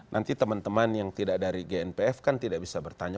nanti teman teman yang tidak dari gnpf kan tidak bisa bertanya